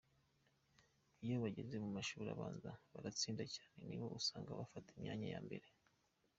Iyo bageze mu mashuri abanza baratsinda cyane; ni bo usanga bafata imyanya ya mbere”.